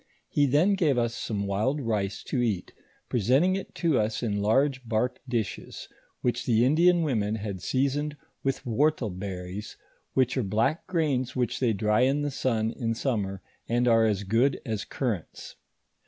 He then gave us some wild rice to eat, presenting it to us in large bark dishes, which the In dian women had seasoned with whortleberries, which are black grains which they dry in the sun in summer, and are as good as currants.